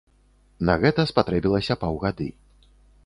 На гэта спатрэбілася паўгады.